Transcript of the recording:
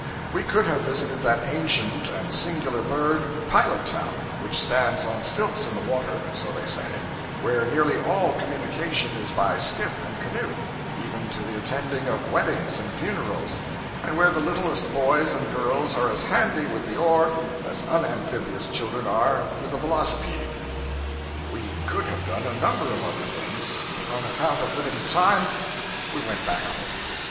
We could have visited that ancient and singular burg, 'Pilot town,' which stands on stilts in the water so they say; where nearly all communication is by skiff and canoe, even to the attending of weddings and funerals; and where the littlest boys and girls are as handy with the oar as unamphibious children are with the velocipede. We could have done a number of other things; but on account of limited time, we went back home.